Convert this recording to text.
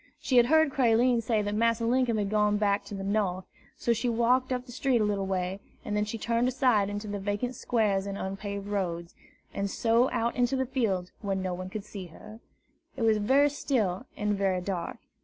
She had heard Creline say that Massa Linkum had gone back to the North; so she walked up the street a little way, and then she turned aside into the vacant squares and unpaved roads, and so out into the fields where no one could see her. It was very still and very dark.